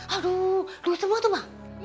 aduh lu semua tuh bang